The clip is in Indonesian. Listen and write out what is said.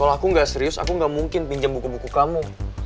kalau aku nggak serius aku gak mungkin pinjam buku buku kamu